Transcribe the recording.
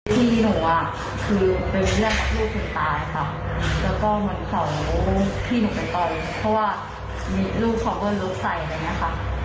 พี่หนูอ่ะคือเป็นแม่ลูกคืนตายค่ะแล้วก็มันส่งลูกพี่หนูเป็นต่อลูกเพราะว่ามีลูกของเวิร์นลูกใส่เนี่ยค่ะ